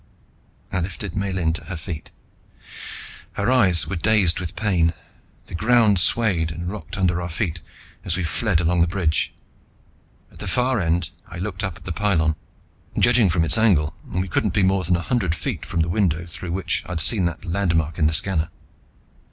I lifted Miellyn to her feet. Her eyes were dazed with pain. The ground swayed and rocked under our feet as we fled along the bridge. At the far end, I looked up at the pylon. Judging from its angle, we couldn't be more than a hundred feet from the window through which I'd seen that landmark in the scanner.